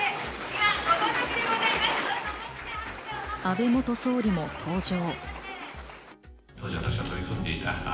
安倍元総理も登場。